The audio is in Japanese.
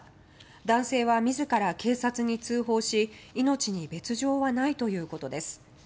男性は自ら警察に通報し命に別条はないということです。